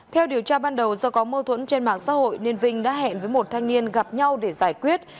theo điều tra ban đầu do có mâu thuẫn trên mạng xã hội nên vinh đã hẹn với một thanh niên gặp nhau để giải quyết